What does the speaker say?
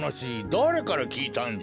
だれからきいたんじゃ？